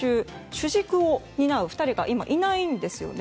主軸を担う２人が今、いないんですよね。